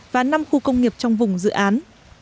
và năm khu công nghiệp trong vùng dự án